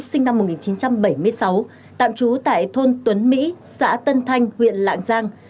sinh năm một nghìn chín trăm bảy mươi sáu tạm trú tại thôn tuấn mỹ xã tân thanh huyện lạng giang